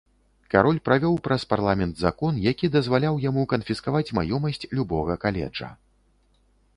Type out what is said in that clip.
Кароль правёў праз парламент закон, які дазваляў яму канфіскаваць маёмасць любога каледжа.